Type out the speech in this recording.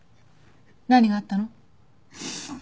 何があったの？